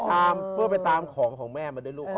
ช่วยไปตามของแม่มาด้วยลูก